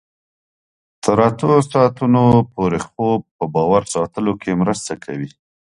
تر اتو ساعتونو پورې خوب په باور ساتلو کې مرسته کوي.